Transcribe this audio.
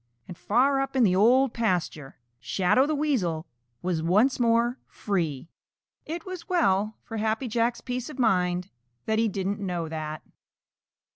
And far up in the Old Pasture, Shadow the Weasel was once more free. It was well for Happy Jack's peace of mind that he didn't know that.